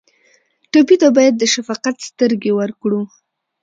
ټپي ته باید د شفقت سترګې ورکړو.